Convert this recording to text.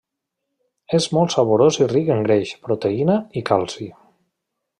És molt saborós i ric en greix, proteïna i calci.